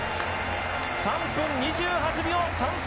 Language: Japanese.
３分２８秒３３！